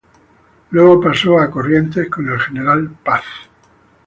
Luego pasó a Corrientes con el general Paz.